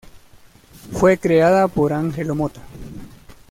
Fue creada por Angelo Motta.